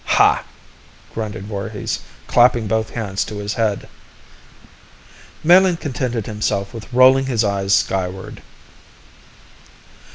"Hah!" grunted Voorhis, clapping both hands to his head. Melin contented himself with rolling his eyes skyward.